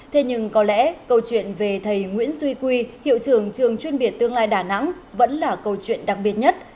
thế nhưng có lẽ câu chuyện về thầy nguyễn duy quy hiệu trường trường chuyên biệt tương lai đà nẵng vẫn là câu chuyện đặc biệt nhất